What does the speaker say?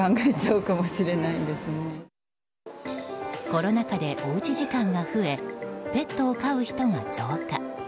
コロナ禍でおうち時間が増えペットを飼う人が増加。